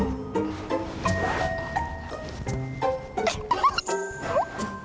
อุ๊ย